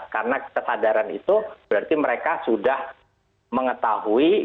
karena kesadaran itu berarti mereka sudah mengetahui